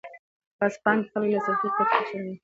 په اصفهان کې خلک له سختې قحطۍ سره مخ وو.